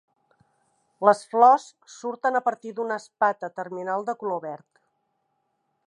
Les flors surten a partir d'una espata terminal de color verd.